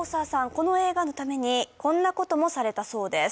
この映画のためにこんなこともされたそうです